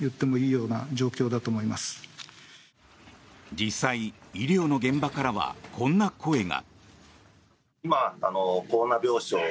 実際、医療の現場からはこんな声が。